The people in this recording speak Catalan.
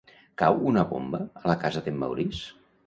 Cau una bomba a la casa d'en Maurice?